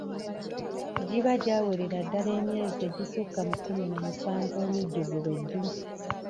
Giba gyawerera ddala emyezi egissuka mu kkumi na musanvu emijjuvu be ddu!